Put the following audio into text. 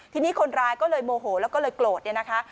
ทีนี้คนร้ายก็เลยโมโหแล้วก็เลยโกรธเนี่ยนะคะ